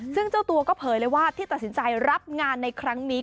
ซึ่งเจ้าตัวก็เผยเลยว่าที่ตัดสินใจรับงานในครั้งนี้